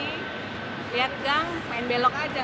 lihat gang main belok aja